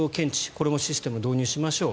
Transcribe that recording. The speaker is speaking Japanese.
これもシステム導入しましょう。